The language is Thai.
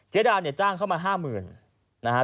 เจดาจ้างเข้ามา๕๐๐๐๐บาท